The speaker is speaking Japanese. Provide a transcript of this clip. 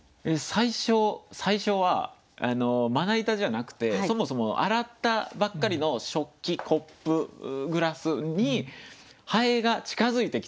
最初はまな板じゃなくてそもそも洗ったばっかりの食器コップグラスに蠅が近づいてきてると。